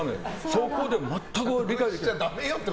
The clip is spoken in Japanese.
そこで全く理解できないって。